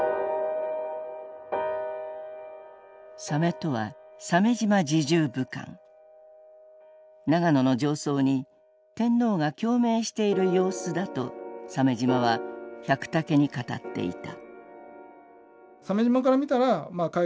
「鮫」とは永野の上奏に天皇が「共鳴」している様子だと鮫島は百武に語っていた。